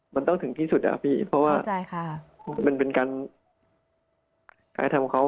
มันต้องถึงที่สุดอะพี่เพราะว่ามันเป็นการกระทำของเขา